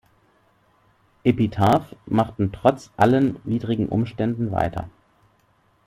Epitaph machten trotz allen widrigen Umständen weiter.